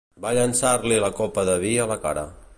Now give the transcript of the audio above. Va llançar-li la copa de vi a la cara.